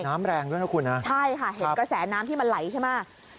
น้ำแรงด้วยนะคุณนะใช่ค่ะเห็นกระแสน้ำที่มันไหลใช่ไหม